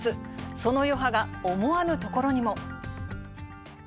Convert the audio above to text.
その余波が思わぬところにも。